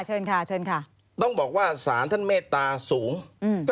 เชิญค่ะเชิญค่ะต้องบอกว่าสารท่านเมตตาสูงอืม